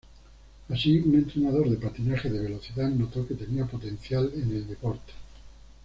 Así, un entrenador de patinaje de velocidad notó que tenía potencial en el deporte.